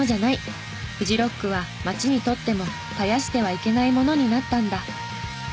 フジロックは町にとっても絶やしてはいけないものになったんだ。